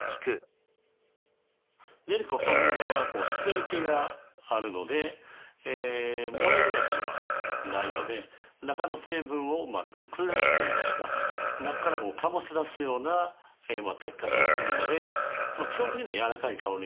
練香そのものは湿り気があるので燃えるわけではないので中の成分をくゆらすといいますか中から醸し出すような炊き方をするので基本的にはやわらかい香り。